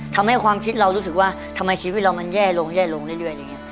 ทำให้ความคิดเรารู้สึกว่าทำไมชีวิตเรามันแย่ลงเรื่อย